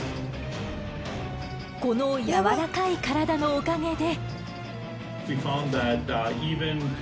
この柔らかい体のおかげで。